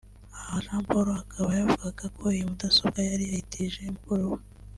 Aha Jean Paul akaba yavugaga ko iyi mudasobwa yari yayitije mukuru we